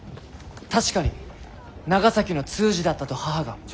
確かに長崎の通詞だったと母が。